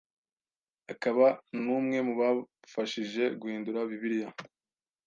akaba numwe mubafashije guhindura Bibiliya